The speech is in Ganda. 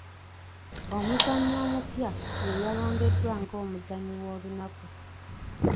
Omuzannyi omupya yeyalondeddwa nga omuzannyi w'olunaku.